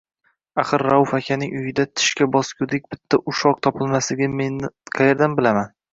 Axir Rauf akaning uyida tishga bosgudek bitta ushoq topilmasligini men qayerdan bilibman.